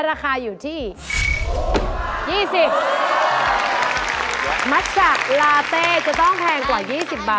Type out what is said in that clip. ค่ะขั้นที่๓มาแล้วค่ะ